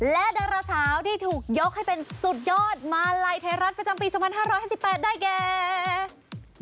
และดาราสาวที่ถูกยกให้เป็นสุดยอดมาลัยไทยรัฐประจำปี๒๕๕๘ได้แก่